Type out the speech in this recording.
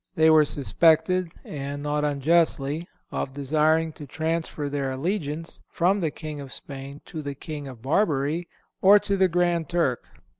They were suspected, and not unjustly, of desiring to transfer their allegiance from the King of Spain to the King of Barbary or to the Grand Turk.